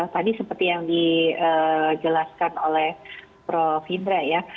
tadi seperti yang dijelaskan oleh prof hindra ya